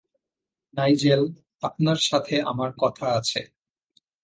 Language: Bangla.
নাইজেল, আপনার সাথে আমার কথা আছে।